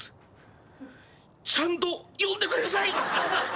ちゃんと読んでください。